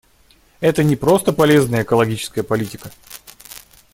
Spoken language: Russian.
Это не просто полезная экологическая политика.